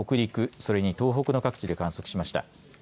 それに東北の各地で観測しました。